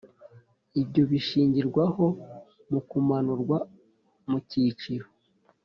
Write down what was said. Ibyo bishingirwaho mu kumanurwa mu cyiciro